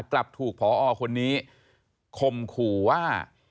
กลับถูกพอคนนี้คมขู่ว่า